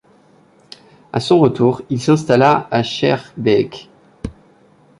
À son retour, il s'installa à Schaerbeek.